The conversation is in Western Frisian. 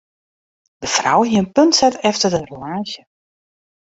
De frou hie in punt set efter de relaasje.